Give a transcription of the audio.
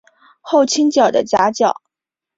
后倾角的夹角。